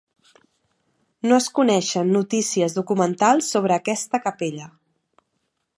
No es coneixen notícies documentals sobre aquesta capella.